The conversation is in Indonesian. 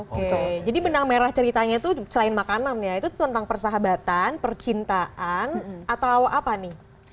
oke jadi benang merah ceritanya itu selain makanan ya itu tentang persahabatan percintaan atau apa nih